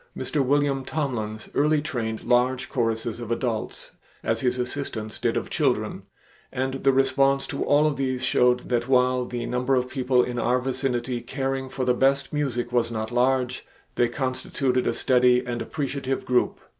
Mr. William Tomlins early trained large choruses of adults as his assistants did of children, and the response to all of these showed that while the number of people in our vicinity caring for the best music was not large, they constituted a steady and appreciative group.